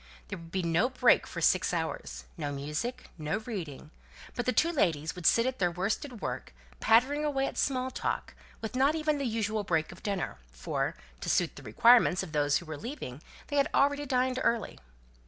There would be no break for six hours no music, no reading; but the two ladies would sit at their worsted work, pattering away at small talk, with not even the usual break of dinner; for, to suit the requirements of those who were leaving, they had already dined early.